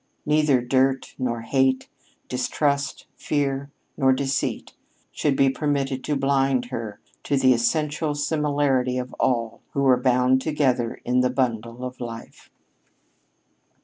Neither dirt nor hate, distrust, fear, nor deceit should be permitted to blind her to the essential similarity of all who were "bound together in the bundle of life."